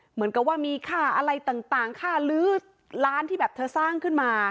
เหมือนกับว่ามีค่าอะไรต่างค่าลื้อร้านที่แบบเธอสร้างขึ้นมา